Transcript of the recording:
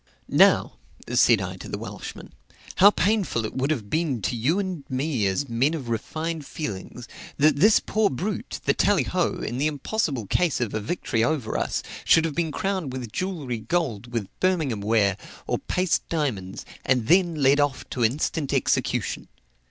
"Now," said I to the Welshman, "How painful it would have been to you and me as men of refined feelings, that this poor brute, the Tallyho, in the impossible case of a victory over us, should have been crowned with jewellery, gold, with Birmingham ware, or paste diamonds, and then led off to instant execution."